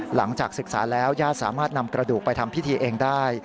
หลังจากศึกษาแล้วญาติสามารถนำกระดูกไปทำพิธีเองได้